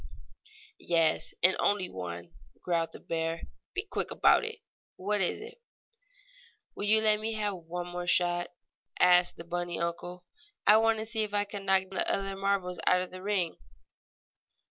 "Yes, and only one," growled the bear. "Be quick about it! What is it?" "Will you let me have one more shot?" asked the bunny uncle. "I want to see if I can knock the other marbles out of the ring."